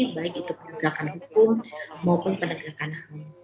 baik itu penegakan hukum maupun penegakan ham